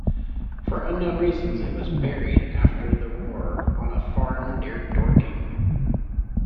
For unknown reasons, it was buried after the war on a farm near Dorking.